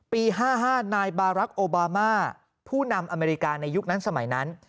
๕๕นายบารักษ์โอบามาผู้นำอเมริกาในยุคนั้นสมัยนั้น